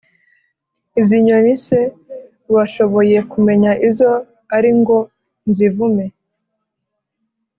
Izo nyoni se washoboye kumenya izo ari ngo nzivume